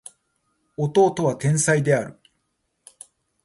弟は天才である